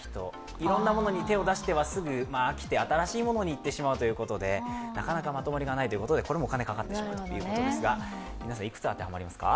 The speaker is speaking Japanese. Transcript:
いろんなものに手を出してはすぐ飽きて新しいものにいってしまうということでなかなかまとまりがないということでこれもお金がかかってしまうということですが皆さん、いくつ当てはまりますか？